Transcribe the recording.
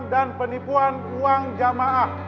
dan penipuan uang jamaah